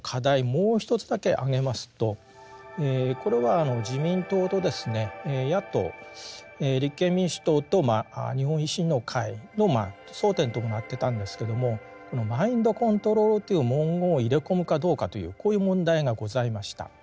もう一つだけ挙げますとこれは自民党とですね野党立憲民主党と日本維新の会の争点ともなってたんですけどもこの「マインドコントロール」という文言を入れ込むかどうかというこういう問題がございました。